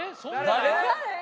誰？